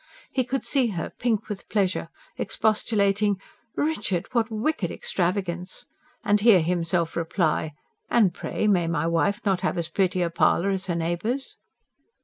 He could see her, pink with pleasure, expostulating: "Richard! What WICKED extravagance!" and hear himself reply: "And pray may my wife not have as pretty a parlour as her neighbours?"